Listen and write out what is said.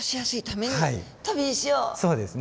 そうですね。